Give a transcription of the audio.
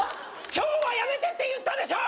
・今日はやめてって言ったでしょ！